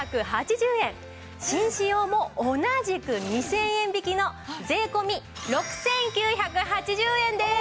紳士用も同じく２０００円引きの税込６９８０円です！